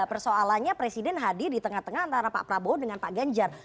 persoalannya presiden hadir di tengah tengah antara pak prabowo dengan pak ganjar